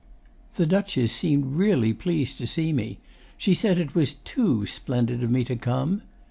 'The Duchess seemed really pleased to see me. She said it was TOO splendid of me to come.